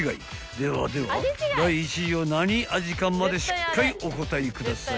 ［ではでは第１位を何味かまでしっかりお答えください］